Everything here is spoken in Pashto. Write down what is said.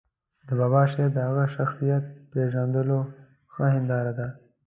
د بابا شعر د هغه شخصیت پېژندلو ښه هنداره ده.